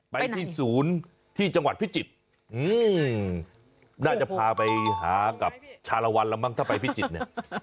ไปที่ศูนย์ที่จังหวัดพิจิตรน่าจะพาไปหากับชาลวันแล้วมั้งถ้าไปพิจิตรเนี่ย